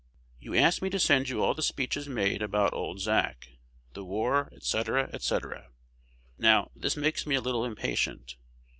You ask me to send you all the speeches made about "Old Zack," the war, &c., &c. Now, this makes me a little impatient.